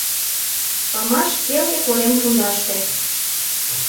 Памаш келге корем пундаште.